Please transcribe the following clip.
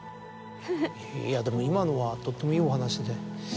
いやでも今のはとってもいいお話で。